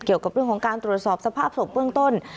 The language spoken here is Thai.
เกี่ยวกับเรื่องของการตรวจสอบสภาพศพเบื้องต้น